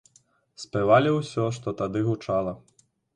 Спявалі ўсё, што тады гучала.